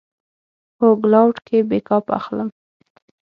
هو، کلاوډ کې بیک اپ اخلم